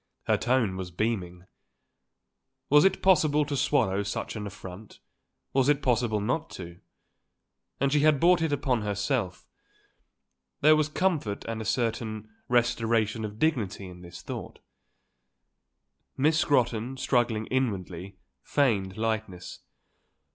Her tone was beaming. Was it possible to swallow such an affront? Was it possible not to? And she had brought it upon herself. There was comfort and a certain restoration of dignity in this thought. Miss Scrotton, struggling inwardly, feigned lightness.